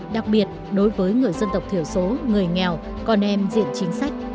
đặc biệt đối với người dân tộc thiểu số người nghèo con em diện chính sách